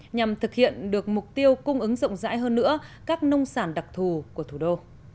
nhằm thực hiện được mục tiêu cung ứng rộng rãi hơn nữa các nông sản đặc thù của thủ đô